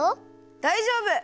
だいじょうぶ！